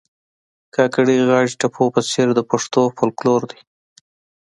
کاکړۍ غاړي ټپو په څېر د پښتو فولکور دي